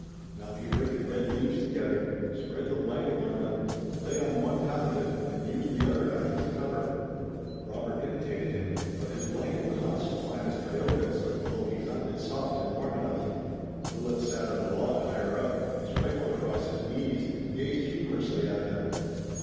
Now he raked dead leaves together, spread the blanket on them, lay on one half of it and used the other half as a cover. Robert imitated him, but his blanket was not so fine as Tayoga's, although he found it soft and warm enough. Willet sat on a log higher up, his rifle across his knees and gazed humorously at them.